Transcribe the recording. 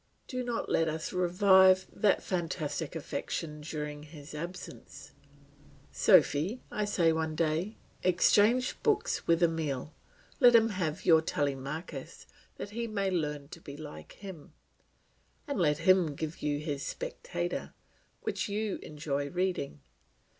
Do not let us revive that fantastic affection during his absence "Sophy," say I one day, "exchange books with Emile; let him have your Telemachus that he may learn to be like him, and let him give you his Spectator which you enjoy reading.